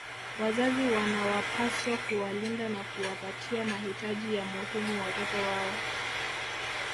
Wazazi wanawapaswa kuwalinda na kuwapatia mahitaji ya muhimu watoto wao